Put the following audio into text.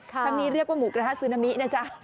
ทั้งนี้เรียกว่าหมูกระทะซึนามินะจ๊ะ